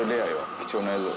貴重な映像。